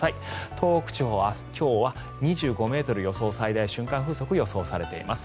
東北地方、今日は２５ｍ最大瞬間風速が予想されています。